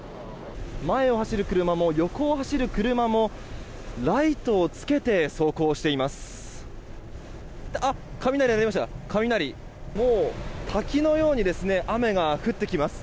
前を走る車も横を走る車もライトをつけて走行しています。